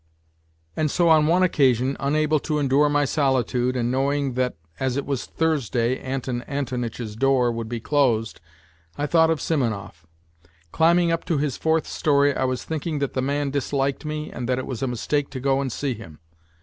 And so on one occasion, unable to endure my solitude and knowing that as it was Thursday Anton Antonitch's door would be closed, I thought of Simonov. Climbing up to his fourth storey I was thinking that the man disliked me and that it was a mistake to go and see him.